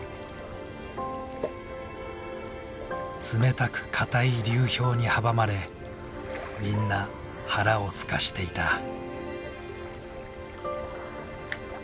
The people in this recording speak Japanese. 冷たく固い流氷に阻まれみんな腹をすかしていた。